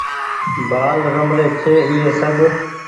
بآل رمري ڇي ايئي سب ۔